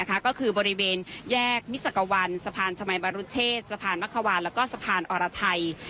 ก็คือบริเวณแยกมิสกวัลสะพานชมัยบรุเชษสะพานมะขวานแล้วก็สะพานอรไทย